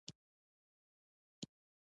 عقاب ولې ملي مرغه دی؟